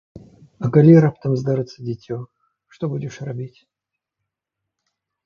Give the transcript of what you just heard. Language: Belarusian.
А калі раптам здарыцца дзіцё, што будзеш рабіць?